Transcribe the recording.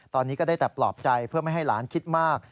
ตอนนี้ก็ได้แต่ปลอบใจเพื่อไม่ให้หลานคิดมาก